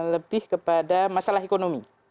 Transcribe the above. lebih kepada masalah ekonomi